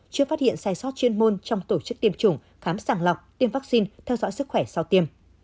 chưa phát hiện sai sót chuyên môn trong tổ chức tiêm chủng khám sàng lọc tiêm vaccine theo dõi sức khỏe sau tiêm